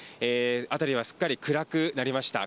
辺りはすっかり暗くなりました。